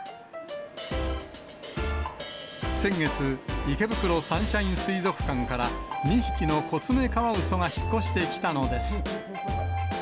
先月、池袋サンシャイン水族館から、２匹のコツメカワウソが引っ越してきたのです。